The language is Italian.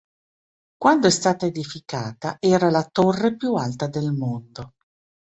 Quando è stata edificata era la torre più alta del mondo.